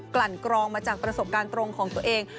ลั่นกรองมาจากประสบการณ์ตรงของตัวเอง